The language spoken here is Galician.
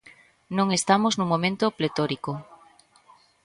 Non estamos nun momento pletórico.